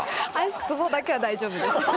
足ツボだけは大丈夫です。